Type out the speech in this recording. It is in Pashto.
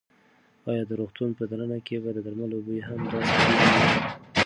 ایا د روغتون په دننه کې به د درملو بوی هم داسې تېز وي؟